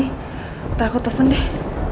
ntar aku telfon deh